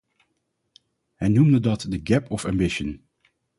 Hij noemde dat the gap of ambition.